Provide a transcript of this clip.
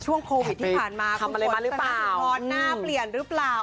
เธอบอกโควิดที่ผ่านมานาเปลี่ยนหรือเปล่า